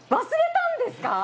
忘れたんですか！？